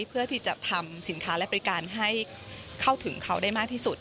เพื่อที่จะทำสินค้าและบริการให้เข้าถึงเขาได้มากที่สุด